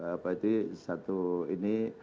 apa itu satu ini